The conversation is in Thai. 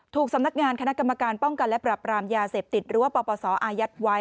สำนักงานคณะกรรมการป้องกันและปรับรามยาเสพติดหรือว่าปปศอายัดไว้